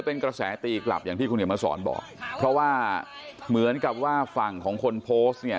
เป็นกระแสตีกลับอย่างที่คุณเห็นมาสอนบอกเพราะว่าเหมือนกับว่าฝั่งของคนโพสต์เนี่ย